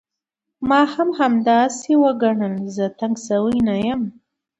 ما هم همداسې وګڼه، زه تنګ شوی نه یم.